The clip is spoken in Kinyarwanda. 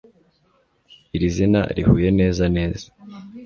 Iri zina rihuye neza neza